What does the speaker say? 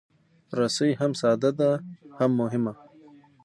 رسۍ هم ساده ده، هم مهمه.